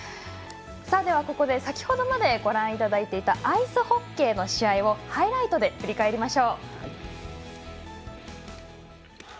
ここで先ほどまでご覧いただいていたアイスホッケーの試合をハイライトで振り返りましょう。